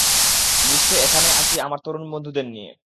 গ্রীষ্মে, এখানে আসি আমার তরুণ বন্ধুদের নিয়ে।